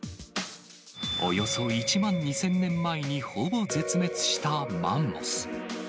およそ１万２０００年前にほぼ絶滅したマンモス。